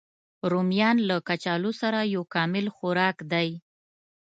رومیان له کچالو سره یو کامل خوراک دی